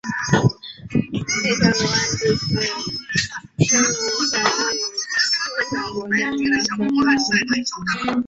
内藤如安就是松永长赖与内藤国贞的女儿所生的儿子。